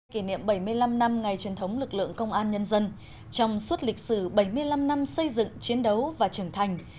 kỷ niệm bảy mươi năm năm ngày truyền thống lực lượng công an nhân dân trong suốt lịch sử bảy mươi năm năm xây dựng chiến đấu và trưởng thành